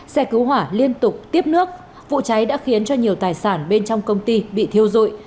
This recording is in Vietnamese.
xe cứu hỏa liên tục tiếp nước vụ cháy đã khiến cho nhiều tài sản bên trong công ty bị thiêu dụi